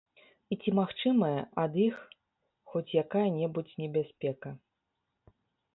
І ці магчымая ад іх хоць якая-небудзь небяспека?